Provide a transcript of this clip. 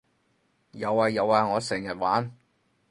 有呀有呀我成日玩